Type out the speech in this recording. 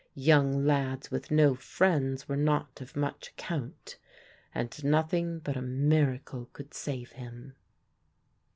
Young lads with no friends were not of much account, and nothing but a miracle could save him.